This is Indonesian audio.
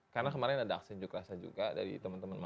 karena kemarin ada aksen juga kerasa juga dari teman teman kita